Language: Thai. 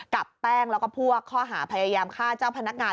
กับแป้งแล้วก็พวกข้อหาพยายามฆ่าเจ้าพนักงาน